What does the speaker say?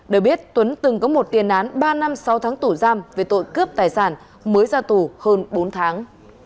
để biết tuấn từng có một tiền án ba năm sau tháng tủ giam về tội cướp tài sản mới ra tù hơn bốn tháng